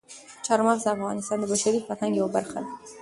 چار مغز د افغانستان د بشري فرهنګ یوه برخه ده.